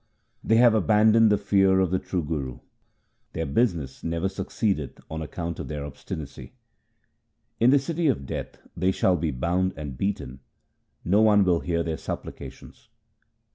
They have abandoned the fear of the true Guru ; their business never succeedeth on account of their obstinacy. In the city of Death they shall be bound and beaten ; no one will hear their supplications.